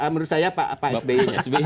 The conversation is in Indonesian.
menurut saya pak sby